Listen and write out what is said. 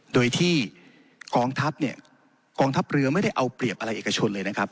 โดยที่กองทัพเนี่ยกองทัพเรือไม่ได้เอาเปรียบอะไรเอกชนเลยนะครับ